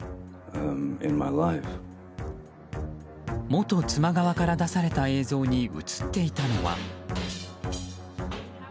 元妻側から出された映像に映っていたのは。